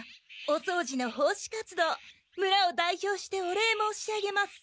おそうじの奉仕活動村を代表してお礼申し上げます。